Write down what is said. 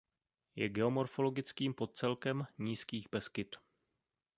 Je geomorfologickým podcelkem Nízkých Beskyd.